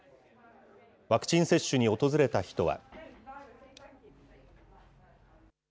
ワクチン接種に訪れた人は。